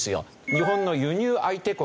日本の輸入相手国。